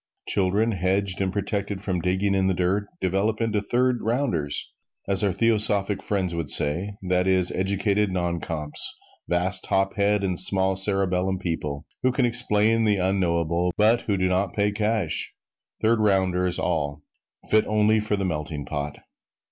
Children hedged and protected from digging in the dirt develop into "third rounders," as our theosophic friends would say, that is, educated non comps vast top head and small cerebellum people who can explain the unknowable, but who do not pay cash. Third rounders all fit only for the melting pot!